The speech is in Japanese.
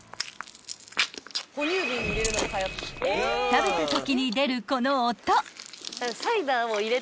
［食べたときに出るこの音］